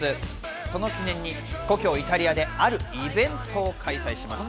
その記念に故郷・イタリアで、あるイベントを開催しました。